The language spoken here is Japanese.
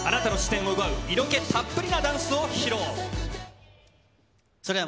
あなたの視線を奪う、色気たっぷりなダンスを披露。